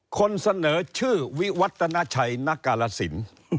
คนเสนอชื่อวิวัฒนาชัยณกาลสิน